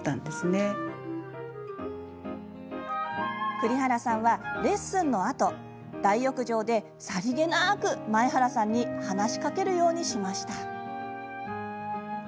栗原さんはレッスンのあと大浴場でさりげなく前原さんに話しかけるようにしました。